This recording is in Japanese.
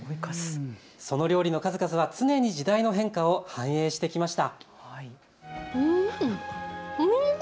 その料理の数々は常に時代の変化を反映してきました。